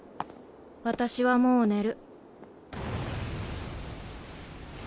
私はもう寝る。